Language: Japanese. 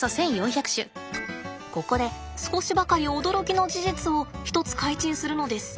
ここで少しばかり驚きの事実を一つ開陳するのです。